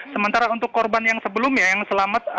sementara untuk korban yang sebelumnya yang selamat